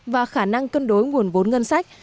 và khả năng cân đối nguồn vốn ngân sách